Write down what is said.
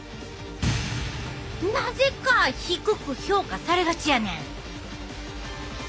なぜか低く評価されがちやねん！